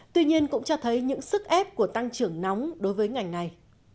tuy nhiên cũng cho thấy những sức ép của tăng trưởng nóng đối với ngành này